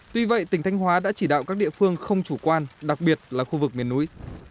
tuy vậy tỉnh thanh hóa đã chỉ đạo các địa phương không chủ quan đặc biệt là khu vực miền núi